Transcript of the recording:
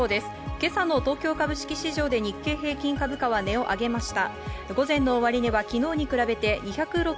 今朝の東京株式市場で日経平均株価は値を上げました。